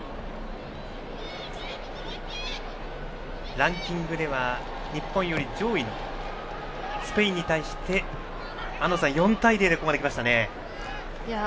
ランキングでは日本より上位のスペインに対して、安藤さん４対０でここまで来ましたね。